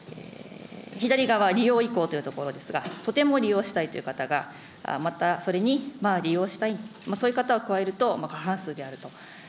左側、利用意向ということですが、とても利用したいという方が、またそれにまあ利用したい、そういう方を加えると過半数であると。